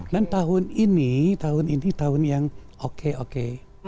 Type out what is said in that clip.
dan tahun ini tahun ini tahun yang oke oke